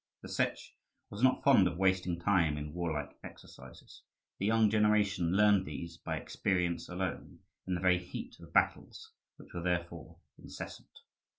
The Setch was not fond of wasting time in warlike exercises. The young generation learned these by experience alone, in the very heat of battles, which were therefore incessant.